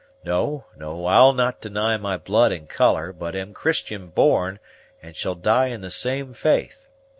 No, no, I'll not deny my blood and color; but am Christian born, and shall die in the same faith.